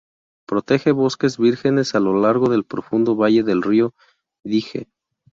Protege bosques vírgenes a lo largo del profundo valle del río Dyje.